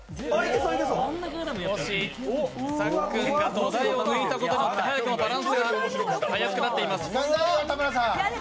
さっくんが土台を抜いたことによって早くもバランスが怪しくなっています。